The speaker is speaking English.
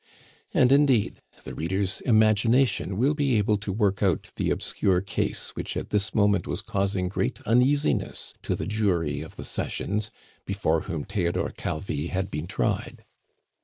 And, indeed, the reader's imagination will be able to work out the obscure case which at this moment was causing great uneasiness to the jury of the sessions, before whom Theodore Calvi had been tried.